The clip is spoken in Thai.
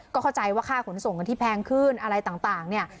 ก็เข้าใจว่าค่าขนส่งกันที่แพงขึ้นอะไรต่างเนี่ย